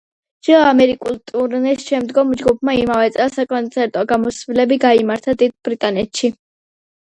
ჩრდილო ამერიკული ტურნეს შემდგომ ჯგუფმა იმავე წელს საკონცერტო გამოსვლები გამართა დიდ ბრიტანეთში.